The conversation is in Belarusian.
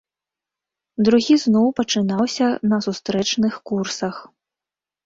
Другі зноў пачынаўся на сустрэчных курсах.